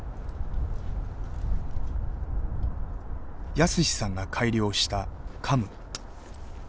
泰史さんが改良した「カム」。